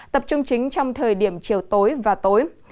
tập trung chính trong thời điểm chiều tối và tối